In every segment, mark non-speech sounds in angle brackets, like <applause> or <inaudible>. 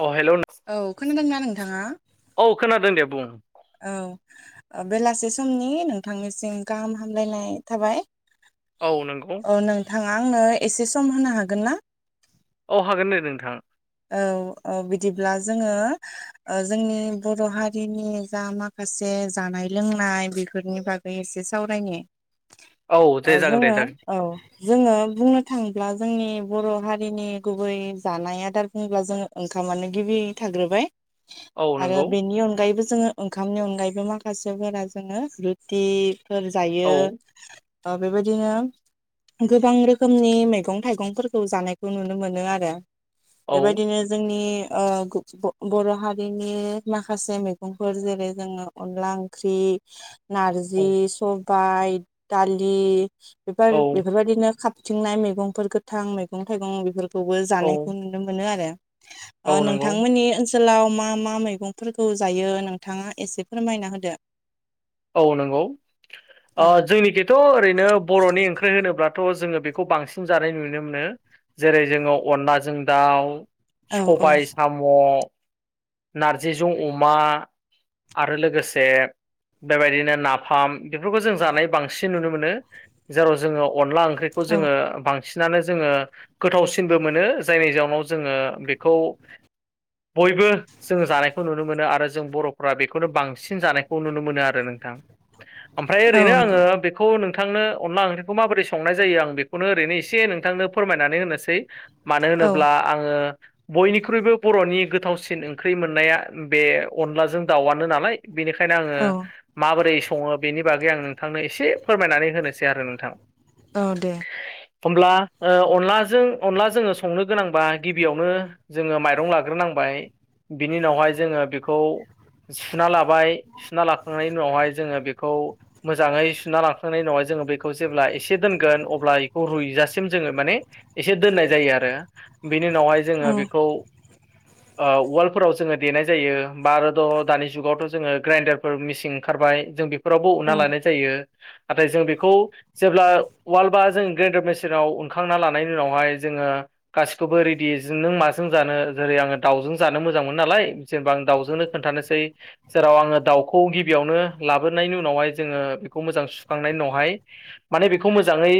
अ हेल' न औ खोनादोंना नोंथांङा? औ खोनादों दे बुं। औ बेलासि समनि नोंथांनिसिम गाहाम हामलायनाय थाबाय। औ नंगौ औ नोंथांङा आंनो एसे सम होनो हागोन ना? औ हागोन दे नोंथां। औ औ बिदिब्ला जोंङो जोंनि बर' हारिनि जा माखा माखासे जानाय लोंनाय बेफोरनि बागै एसे सावरायनि औ ओ दे जागोन दे जोंङो जागोन औ जोंङो बुंनो थांङोब्ला जोंनि बर' हारिनि गुबै जानाय आदार होनब्ला जोंङो ओंखामानो गिबि थाग्रोबाय औ आरो नंगौ बेनि अनगायैबो जोंङो ओंखामनि अनगायैबो माखासेफोरा जोंङो रुटिफोर औ जायो। दा बेबायदिनो गोबां रोखोमनि मेगं- थाइगंफोरखौ जानायखौ नुनो मोनो आरो औ बेबायदिनो जोंनि बर' हारिनि माखासे मैगंफोर जेरै जोंङो अनला ओंख्रि नारजि औ सबायाइ दालि बेफोर औ बेफोरबायदिनो खा थिंनाय मैगंफोर गोथां मैगं थाइगं बेफोरखौबो औ जानायखौ नुनो मोनो आरो। ओ औ नंगौ नोंथांमोननि ओनसो ओनसोलाव मा मा मैगंफोरखौ जायो नोंथांङा एसे फोरमायना होदो। औ नंगौ औ अ जोंनि थ' ओरैनो बर'नि ओंख्रि होनोब्लाथ' जोंङो बेखौ बांसिन जानाय नुनो मोनो जेरै जोंङो अनलाजों दाउ औ औ सबाय साम' <unintelligible> नारजिजों अमा आरो लोगोसे बेबायदिनो नाफाम बेफोरखौ जों जानाय बांसिन नुनो मोनो जेराव जोंङो अनला ओंख्रि बेखौ औ जोंङो बां बांसिनानो जोङो गोथावसिनबो मोनो जायनि जाउनाव जोङो बेखौ बयबो जों जानायखौ नुनो मोनो आरो जों बर'फोरा बेखौनो बांसिन जानायखौ नुनो मोन नो आरो नोंथां ओमफ्राय औ ओरैनो आङो नंगौ बे बेखौ नोंथांनो अनला ओंख्रिखौ माबोरै संनाय जायो आं बेखौनो ओरैनो एसे नोंथांनो फोरमायनानै होनोसै। मानो औ होनोब्ला आङो बयनिख्रुइबो बर'नि गोथावसिन ओंख्रि मोननाया बे अनलाजों दाउआनो नालाय। बेनिखायनो आङो औ माबोरै सङो बेनि बागै आं नोंथांनो एसे फोरमायनानै होनोसै आरो नोंथां। औ दे। होब्ला ओ अनलाजों अनला जोङो संनो गोनांबा गिबियावनो जोङो माइरं लाग्रोनांबाय बिनि उनावहाय जोङो बेखौ सुना लाबाय सुना लाखांनायनि उनावहाय जोङो बेखौ मोजाङै सुना लांखांनायनि उनावहाय जोङो बेखौ जेब्ला एसे दोनगोन अब्ला इखौ रुइजासिम जोङो माने एसे दोननाय जायो आरो बिनि उनावहाय औ जोङो बेखौ उवालफोराव जोङो देनाय जायो ब आरो द' दानि जुगावथ' जोङो ग्राइन्डार फोर मिसिं ओंखारबाय जों बेफोरावबो औ उनना लानाय जायो नाथाय जों बेखौ जेब्ला उवाल बा जों ग्रेन्डार मेसिनाव उनखांना लानायनि उनावहाय जोङो गासिखौबो रेडि नों माजों जानो जेरै आङो दाउजों जानो मोजां मोन नालाय जेनेबा आं दाउजोंनो खोन्थानोसै जेराव आङो दाउ खौ गिबियावनो लाबोनायनि उनावहाय जोङो बेखौ मोजां सुखांनायनि उनावहाय माने बेखौ मोजाङै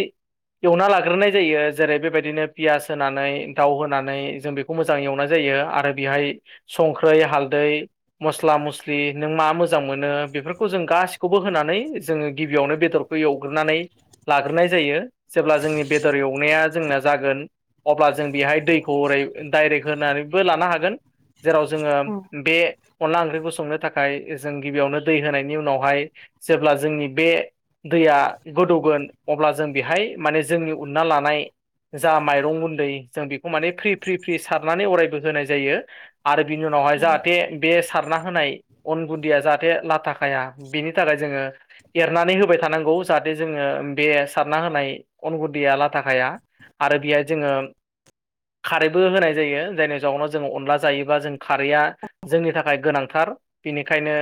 एवना लाग्रोनाय जायो जेरै बेबायदिनो पियास होनानै दाउ होनानै जों बे खौ मोजां एवनाय जायो आरो बेहाय संख्रै हालदै मस्ला मस्लि नों मा मोजां मोजां मोनो बेफोरखौ जों गासिखौबो होनानै जोङो गिबियावनो बेदरखौ एवग्रोनानै लाग्रोनाय जायो जेब्ला जोंनि बेदर एवनाया जोंना जागोन अब्ला जों बेहाय दैखौ ओरै डाइरेक्ट होनानैबो लानो हागोन। जेराव जोङो औ बे अनला ओंख्रिखौ संनो थाखाय जों गिबियावनो दै होनायनि उनावहाय जेब्ला जोंनि बे दैया गोदौगोन अब्ला जों बेहाय माने जोंनि उनना लानाय जा माइरं गुन्दै जों बेखौ माने फ्रि फ्रि फ्रि सारनानै अरायबो होनाय जायो। आरो बिनि उनावहाय जाहाथे बे सारना होनाय अन गुनदिया जाहाथे लाथा खाया बिनि थाखाय जोङो एरनानै होबाय थानांगौ जाहाथे जोङो बे सारना होनाय अन गुन्दैया लाथाखाया। आरो बेहाय जोङो खारैबो होनाय जायो जायनि जाउनाव जोङो अनला जायोबा जों खारैया जोंनि थाखाय गोनांथार। बिनिखायनो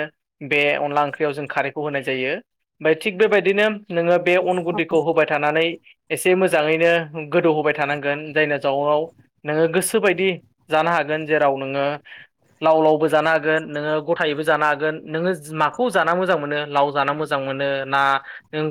बे अनला ओंख्रियाव जों खारैखौ होनाय जायो, ओमफ्राय थिग बेबायदिनो नोङो बे अन गुन्दैखौ होबाय थानानै एसे मोजाङैनो गोदौहोबाय थानांगोन जायनि जाउनाव नोङो गोसो बायदि जानो हागोन जेराव नोङो लाव लावबो जानो हागोन नोङो गथायैबो जानो हागोन नोङो माखौ जाना मोजां मोनो लाव जानो मोजां मोनो ना नों